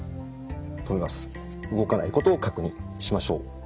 動かないことを確認しましょう。